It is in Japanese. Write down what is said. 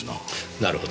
なるほど。